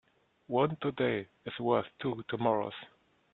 One today is worth two tomorrows.